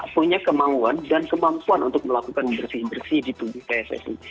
punya kemauan dan kemampuan untuk melakukan bersih bersih di tubuh pssi